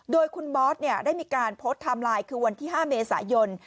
โดยคุณบอสได้มีการโพสต์ไทม์ไลน์คือวันที่๕เมษายน